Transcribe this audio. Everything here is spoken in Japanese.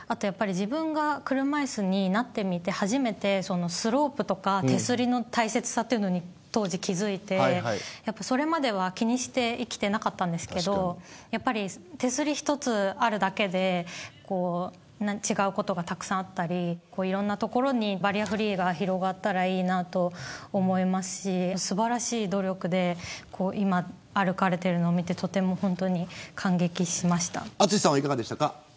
やっぱり、自分が車いすになってみて初めて、そのスロープとか手すりの大切さというのに当時、気付いてそれまでは気にして生きてなかったんですけど手すり、一つあるだけで違うことがたくさんあったりいろんなところにバリアフリーが広がったらいいなと思いますしすばらしい努力で今、歩かれているのを見て淳さんは、いかがでしたか。